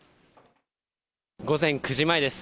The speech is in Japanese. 午前９時前です。